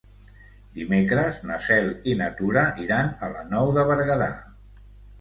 Dimecres na Cel i na Tura iran a la Nou de Berguedà.